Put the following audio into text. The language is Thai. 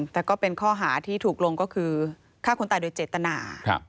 แต่ก็เป็นข้อหาที่ถูกลงก็คือฆ่าคนตายโดยเจตนา